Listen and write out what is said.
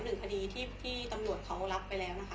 หนึ่งคดีที่พี่ตำรวจเขารับไปแล้วนะคะ